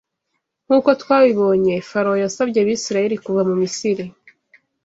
Nk’uko twabibonye Farawo yasabye Abisirayeli kuva mu Misiri